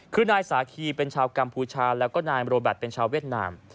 คือนายสาคีเป็นชาวกัมพูชาแล้วก็นายโรแบตเป็นชาวเวียดนาม